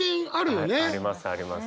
ありますあります。